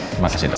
terima kasih dok